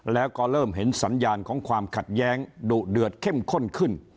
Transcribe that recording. แล้วก็เริ่มเห็นสัญญาณของความขัดแย้งดุเดือดเข้มข้นขึ้น